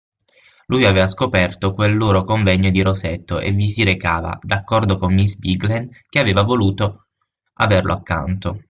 Lui aveva scoperto quel loro convegno di Rosetto e vi si recava, d'accordo con miss Bigland, che aveva voluto averlo accanto.